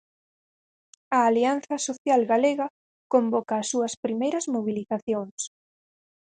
A Alianza Social Galega convoca as súas primeiras mobilizacións.